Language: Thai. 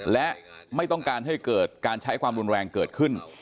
และไม่ต้องการให้เกิดการใช้ความรุนแรงเกิดขึ้น